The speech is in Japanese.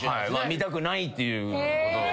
診たくないっていう。